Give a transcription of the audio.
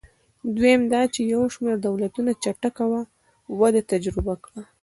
دویم دا چې یو شمېر دولتونو چټکه وده تجربه کړه.